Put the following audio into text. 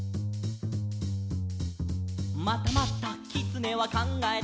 「またまたきつねはかんがえた」